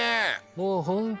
もうホント